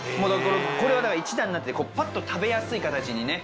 これは１段になっててパッと食べやすい形にね。